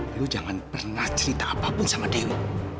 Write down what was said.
dulu jangan pernah cerita apapun sama dewi